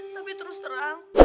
tapi terus terang